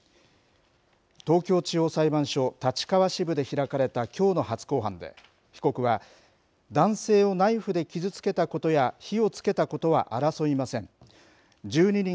東京地方裁判所立川支部で開かれたきょうの初公判で被告は、男性をナイフで傷つけたことや、火をつけたことは争いません。